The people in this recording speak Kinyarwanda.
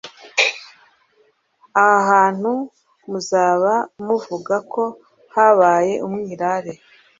aha hantu muzaba muvuga ko habaye umwirare